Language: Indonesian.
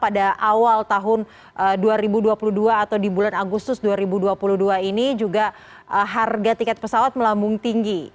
pada awal tahun dua ribu dua puluh dua atau di bulan agustus dua ribu dua puluh dua ini juga harga tiket pesawat melambung tinggi